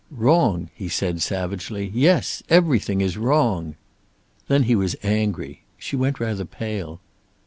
"Wrong?" he said, savagely. "Yes. Everything is wrong!" Then he was angry! She went rather pale.